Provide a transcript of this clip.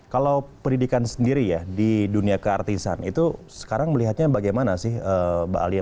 kalau pendidikan sendiri ya di dunia keartisan itu sekarang melihatnya bagaimana sih mbak alia